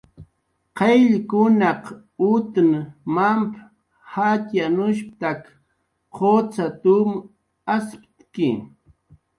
"Qayllkunaq utn mamp"" jatxyanushp""tak qucxat"" um asptawi"